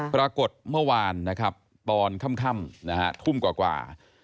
ปรากฏเมื่อวานนะครับตอนค่ำนะฮะทุ่มกว่า